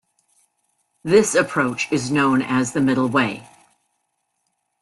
This approach is known as the "Middle Way".